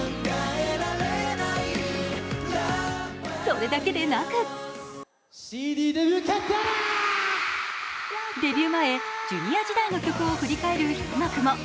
それだけでなくデビュー前、Ｊｒ．時代の曲を振り返る一幕も。